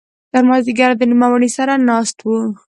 تر ماذیګره د نوموړي سره ناست وو.